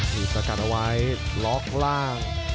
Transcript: สกัดเอาไว้ล็อกล่าง